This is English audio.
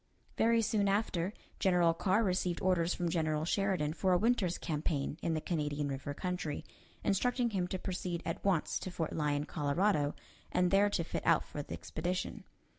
Very soon after, General Carr received orders from General Sheridan for a winter's campaign in the Canadian River country, instructing him to proceed at once to Fort Lyon, Colorado, and there to fit out for the expedition.